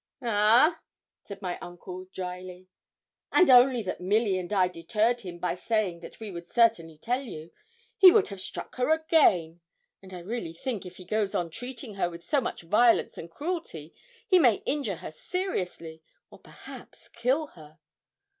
'Ah?' said my uncle, dryly. 'And only that Milly and I deterred him by saying that we would certainly tell you, he would have struck her again; and I really think if he goes on treating her with so much violence and cruelty he may injure her seriously, or perhaps kill her.'